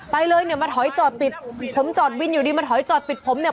ไปเลยเนี่ยมาถอยจอดปิดผมจอดวินอยู่ดีมาถอยจอดปิดผมเนี่ย